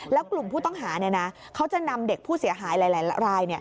แล้วกลุ่มผู้ต้องหาเขาจะนำเด็กผู้เสียหายหลายราย